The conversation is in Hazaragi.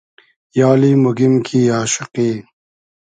یالی موگیم کی آشوقی